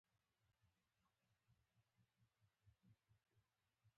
هېواد ته ملي یووالی پکار دی